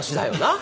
あ。